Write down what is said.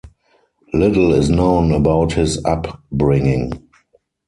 Little is known about his upbringing.